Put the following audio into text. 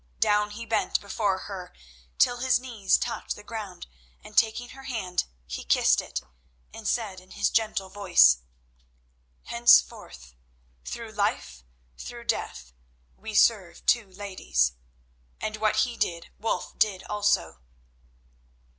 Down he bent before her till his knee touched the ground, and, taking her hand, he kissed it, and said in his gentle voice: "Henceforth through life, through death, we serve two ladies," and what he did Wulf did also.